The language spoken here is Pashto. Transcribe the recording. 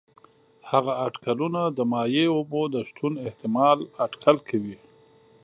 هغه اټکلونه د مایع اوبو د شتون احتمال اټکل کوي.